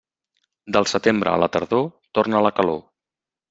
Del setembre a la tardor torna la calor.